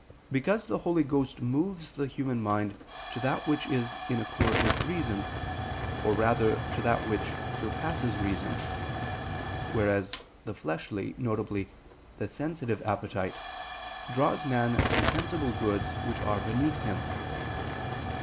Because the Holy Ghost moves the human mind to that which is in accord with reason, or rather to that which surpasses reason: whereas the fleshly, viz. the sensitive, appetite draws man to sensible goods which are beneath him.